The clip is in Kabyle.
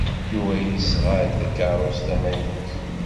Yuba yesɣa-d takeṛṛust tamaynut.